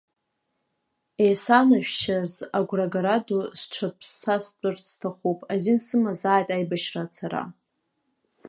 Исанашәшьаз агәрагара ду сҽаԥсастәырц сҭахуп, азин сымазааит аибашьра ацара!